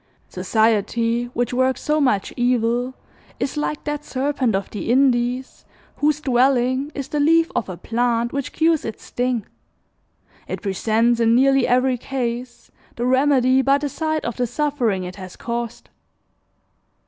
Society which works so much evil is like that serpent of the Indies whose dwelling is the leaf of a plant which cures its sting; it presents, in nearly every case, the remedy by the side of the suffering it has caused.